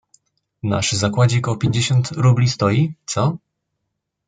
"Nasz zakładzik o pięćdziesiąt rubli stoi, co?..."